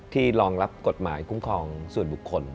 รองรับกฎหมายคุ้มครองส่วนบุคคล